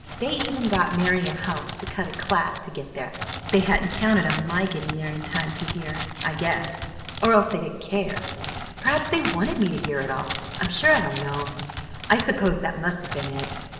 They even got Marian Hobbs to cut a class to get there. They hadn't counted on my getting in in time to hear, I guess, or else they didn't care. Perhaps they wanted me to hear it all; I'm sure I don't know. I suppose that must have been it.